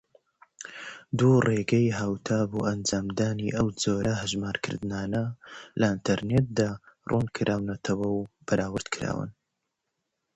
Two equivalent methods for performing such calculations are explained and compared online.